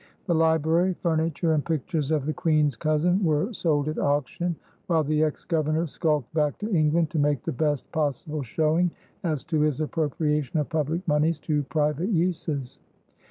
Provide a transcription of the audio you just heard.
The library, furniture, and pictures of the Queen's cousin were sold at auction, while the ex Governor skulked back to England to make the best possible showing as to his appropriation of public moneys to private uses.